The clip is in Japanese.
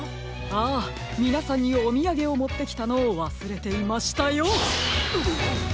ああみなさんにおみやげをもってきたのをわすれていましたよ！